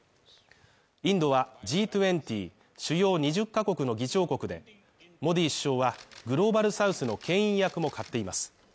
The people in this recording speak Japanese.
インドはＧ２０＝主要２０カ国の議長国で、モディ首相はグローバルサウスの牽引役も買っています。